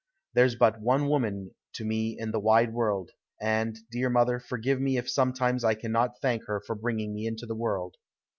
There's but one woman to me in the wide world, and, dear mother, forgive me if sometimes I cannot thank her for bringing me into the world.